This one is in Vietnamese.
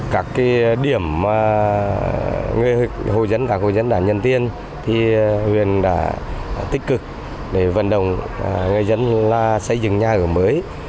các điểm mà người hội dân các hội dân đã nhân tiên thì huyền đã tích cực để vận động người dân xây dựng nhà ở mới